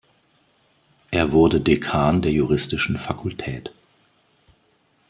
Er wurde Dekan der juristischen Fakultät.